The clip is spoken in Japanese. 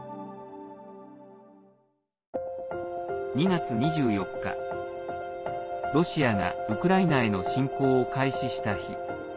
２月２４日、ロシアがウクライナへの侵攻を開始した日。